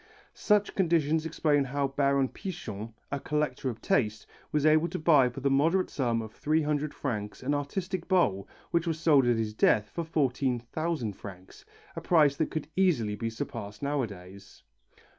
Such conditions explain how Baron Pichon, a collector of taste, was able to buy for the moderate sum of 300 francs an artistic bowl which was sold at his death for 14,000 francs, a price that could easily be surpassed nowadays.